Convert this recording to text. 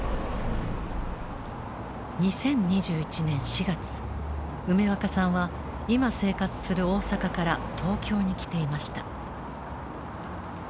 ２０２１年４月梅若さんは今生活する大阪から東京に来ていました。